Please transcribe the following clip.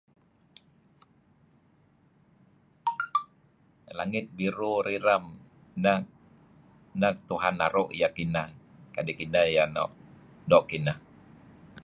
Langit biru rirem neh Tuhan naru' iyeh ineh kadi' iyeh doo' kineh.